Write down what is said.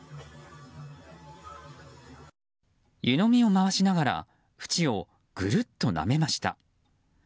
湯飲みを回しながら縁をぐるっとなめました。